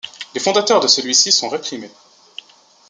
Les fondateurs de celui-ci sont réprimés.